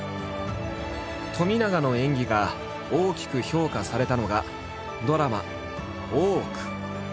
冨永の演技が大きく評価されたのがドラマ「大奥」。